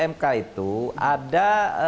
mk itu ada